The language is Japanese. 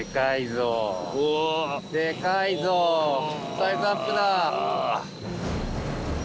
サイズアップだ。